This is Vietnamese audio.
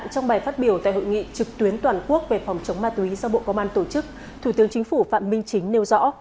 trong bài phát biểu tại hội nghị trực tuyến toàn quốc về phòng chống ma túy do bộ công an tổ chức thủ tướng chính phủ phạm minh chính nêu rõ